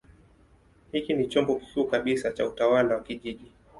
Hiki ni chombo kikuu kabisa cha utawala wa kijiji.